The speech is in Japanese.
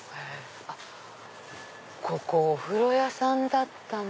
ここお風呂屋さんだったんだ。